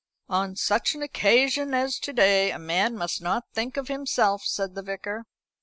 "On such an occasion as to day a man must not think of himself," said the Vicar.